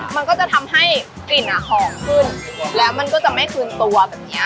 มันก็จะทำให้กลิ่นอ่ะหอมขึ้นแล้วมันก็จะไม่คืนตัวแบบเนี้ย